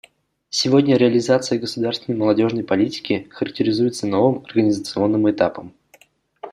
Сегодня реализация государственной молодежной политики характеризуется новым организационным этапом.